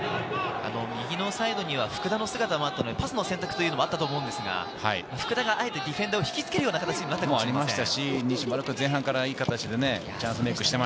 右のサイドには福田の姿もあったので、パスの選択もあったと思うんですが、福田があえてディフェンダーを引きつけるような形になったかもしれませんね。